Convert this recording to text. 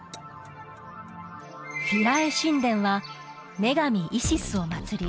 フィラエ神殿は女神イシスを祭り